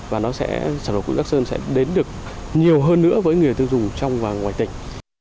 và sản lượng quýt bắc sơn sẽ đến được nhiều hơn nữa với người dân dùng trong và ngoài tỉnh